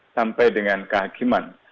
sampai dengan kehakiman